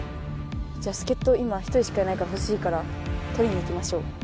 じゃあ助っと今１人しかいないからほしいからとりに行きましょう。